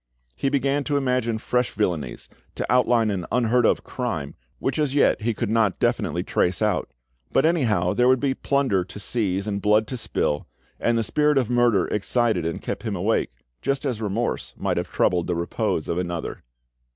He began to imagine fresh villanies, to outline an unheard of crime, which as yet he could not definitely trace out; but anyhow there would be plunder to seize and blood to spill, and the spirit of murder excited and kept him awake, just as remorse might have troubled the repose of another.